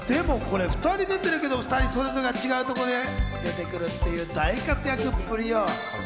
２人出てるけど、それぞれ違うところで出てくるっていう大活躍っぷり。